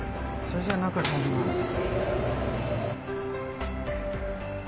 それじゃ中入ります。